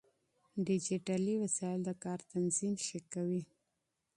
ډيجيټلي وسايل د کار تنظيم ښه کوي.